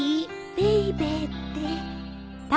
ベイベーって。